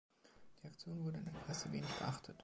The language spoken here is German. Die Aktion wurde in der Presse wenig beachtet.